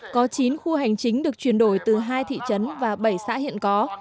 có chín khu hành chính được chuyển đổi từ hai thị trấn và bảy xã hiện có